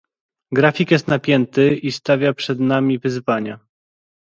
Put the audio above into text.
Grafik jest napięty i stawia przed nami wyzwania